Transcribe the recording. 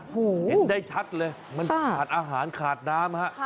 เห็นได้ชัดเลยมันขาดอาหารขาดน้ำฮะ